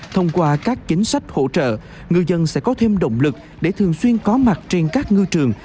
thông qua các chính sách hỗ trợ ngư dân sẽ có thêm động lực để thường xuyên có mặt trên các ngư trường